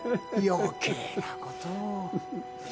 余計なことを。